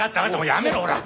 やめろほら。